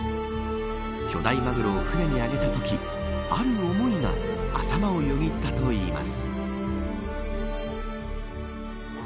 巨大マグロを船に上げたときある思いが頭をよぎったといいます。